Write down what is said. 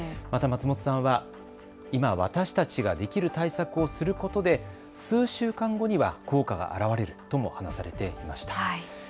また松本さんは今、私たちができる対策をすることで数週間後には効果が現れるとも話されていました。